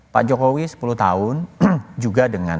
pak jokowi sepuluh tahun juga dengan